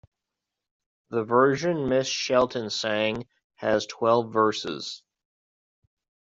The version Miss Shelton sang has twelve verses.